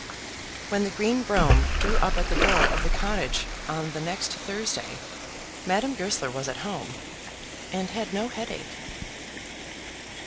When the green brougham drew up at the door of the cottage on the next Thursday, Madame Goesler was at home, and had no headache.